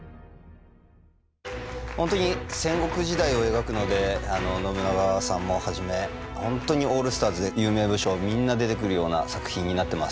本当に戦国時代を描くので信長さんもはじめ本当にオールスターズで有名武将みんな出てくるような作品になってます。